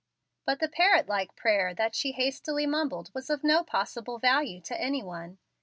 But the parrot like prayer that she hastily mumbled was of no possible value to any one.